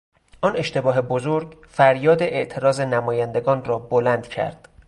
آن اشتباه بزرگ فریاد اعتراض نمایندگان را بلند کرد.